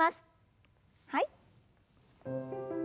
はい。